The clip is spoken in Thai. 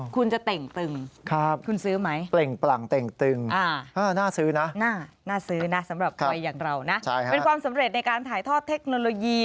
คุณจะเต่งตึงคุณซื้อไหมอะน่าซื้อนะเป็นความสำเร็จในการถ่ายทอดเทคโนโลยี